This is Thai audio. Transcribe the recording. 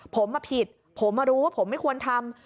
ผมผิดผมมารู้ว่าผมไม่ควรทำ